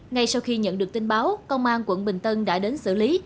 ngay sau khi nhận được tin báo công an quận bình tân đã đến xử lý